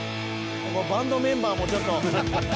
バンドメンバーもちょっと」